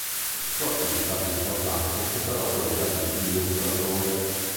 La sua attività più importante fu però quella di illustratore.